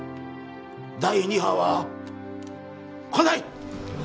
第二波は来ない！